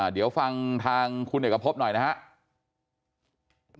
เดี๋ยวฟังทางคุณเอกพบหน่อยนะครับ